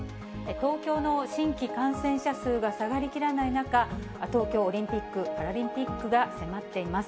東京の新規感染者数が下がりきらない中、東京オリンピック・パラリンピックが迫っています。